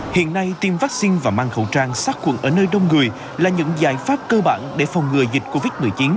hiện nay tiêm vaccine và mang khẩu trang sát khuẩn ở nơi đông người là những giải pháp cơ bản để phòng ngừa dịch covid một mươi chín